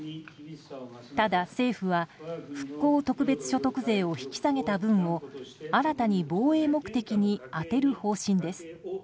ただ、政府は復興特別所得税を引き下げた分を新たに防衛目的に充てる方針です。